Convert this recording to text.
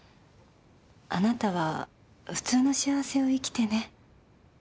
あなたは普通の幸せを生きてね